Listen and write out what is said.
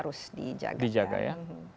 perkeong maksud saya